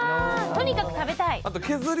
とにかく食べたい。